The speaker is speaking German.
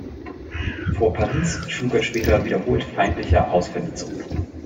Vor Paris schlug er später wiederholt feindliche Ausfälle zurück.